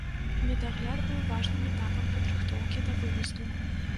Медагляд быў важным этапам падрыхтоўкі да выезду.